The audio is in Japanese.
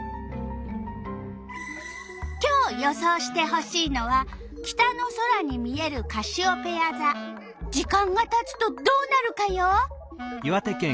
今日予想してほしいのは北の空に見えるカシオペヤざ時間がたつとどうなるかよ。